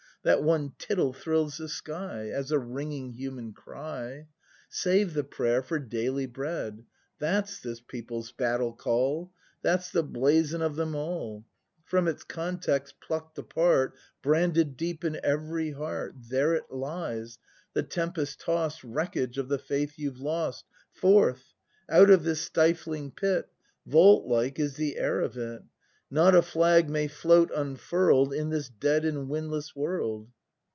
That one tittle thrills the sky As a ringing human cry. Save the prayer for daily bread! That's this people's battle call. That's the blazon of them all! From its context pluck'd apart. Branded deep in every heart — There it lies, the tempest tost Wreckage of the Faith you've lost Forth! out of this stifling pit! Vault like is the air of it! Not a Flag may float unfurl'd In this dead and windless world!